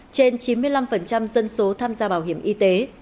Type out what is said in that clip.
trên chín mươi năm dân số tham gia bảo hiểm y tế